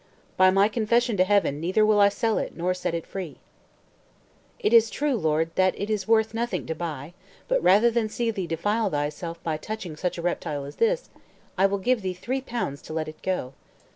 "By my confession to Heaven, neither will I sell it nor set it free." "It is true, lord, that it is worth nothing to buy; but rather than see thee defile thyself by touching such a reptile as this, I will give thee three pounds to let it go."